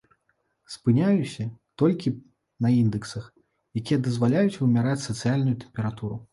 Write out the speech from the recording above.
Спынюся толькі на індэксах, якія дазваляюць вымяраць сацыяльную тэмпературу.